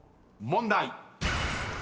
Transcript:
［問題］